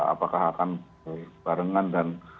apakah akan barengan dan